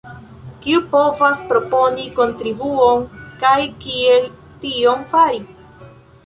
Kiu povas proponi kontribuon kaj kiel tion fari?